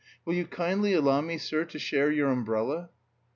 "Will you kindly allow me, sir, to share your umbrella?"